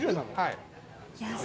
はい。